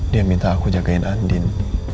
dia minta aku jagain andin